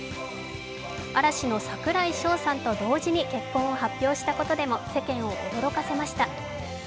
嵐の櫻井翔さんと同時に結婚を発表したことでも世間を驚かせました。